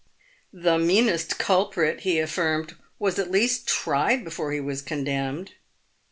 " The meanest culprit," he affirmed, " was at least tried before he was condemned."